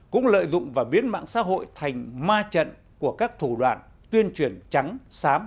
cũng lợi dụng và biến mạng xã hội thành ma trận của các thủ đoàn tuyên truyền trắng sám